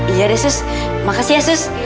iya deh sus makasih ya sus